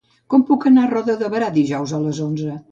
Com puc anar a Roda de Berà dijous a les onze?